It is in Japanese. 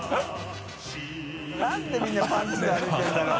覆鵑みんなパンツで歩いてるんだろう？